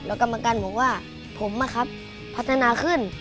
และกรรมการบอกว่าผมนะครับพัฒนาขึ้น